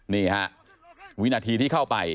นี่ฮะวินาทีที่เข้าไป